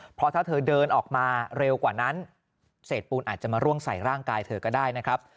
เพราะถ้าเธอเดินออกมาเร็วกว่านั้นเศษปูนอาจจะมาร่วงใส่ร่างกายเธอก็ได้นะครับ